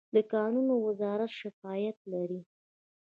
د کانونو وزارت شفافیت لري؟